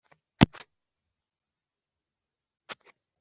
ntiyakoze, mu rugendo nk'urwo,